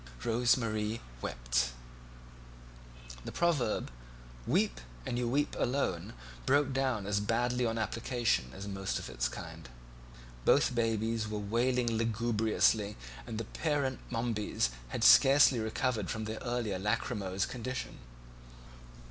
Rose Marie wept. The proverb "Weep and you weep alone," broke down as badly on application as most of its kind. Both babies were wailing lugubriously, and the parent Momebys had scarcely recovered from their earlier lachrymose condition.